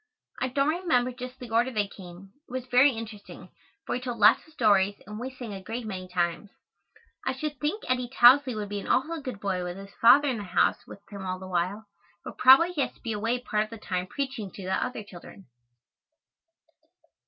I don't remember just the order they came. It was very interesting, for he told lots of stories and we sang a great many times. I should think Eddy Tousley would be an awful good boy with his father in the house with him all the while, but probably he has to be away part of the time preaching to other children.